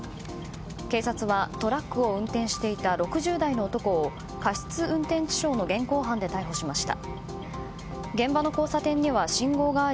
警察は、トラックを運転していた６０代の男を過失運転致傷の現行犯で逮捕しました。